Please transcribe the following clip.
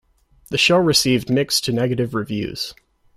The show received mixed to negative reviews.